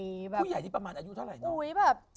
ผู้ใหญ่นี่ประมาณอายุเท่าไหร่นะ